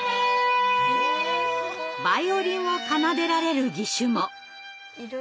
バイオリンを奏でられる義手も！